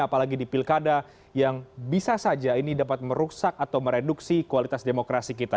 apalagi di pilkada yang bisa saja ini dapat merusak atau mereduksi kualitas demokrasi kita